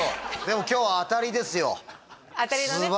でも今日は当たりですよ当たりだね